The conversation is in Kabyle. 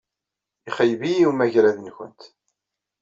Ixeyyeb-iyi umagrad-nwent.